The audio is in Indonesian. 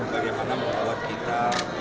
bagaimana membuat kita